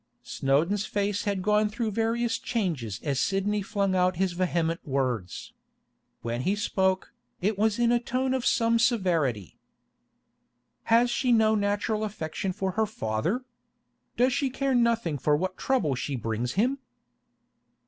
Snowdon's face had gone through various changes as Sidney flung out his vehement words. When he spoke, it was in a tone of some severity. 'Has she no natural affection for her father? Does she care nothing for what trouble she brings him?